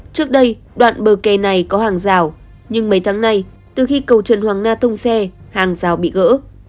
trước đây đoạn bờ kè này có hàng rào nhưng mấy tháng nay từ khi cầu trần hoàng na thông xe hàng rào bị gỡ